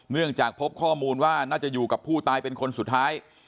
จากพบข้อมูลว่าน่าจะอยู่กับผู้ตายเป็นคนสุดท้าย